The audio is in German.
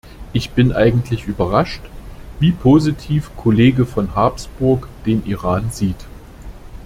Ich bin eigentlich überrascht, wie positiv Kollege von Habsburg den Iran sieht.